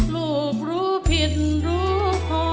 ลูกรู้ผิดรู้พอ